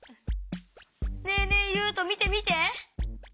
ねえねえゆうとみてみて！